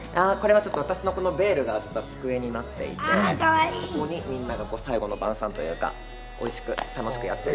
私のベールが机になっていて、ここに最後の晩餐というか、おいしく楽しくやってる。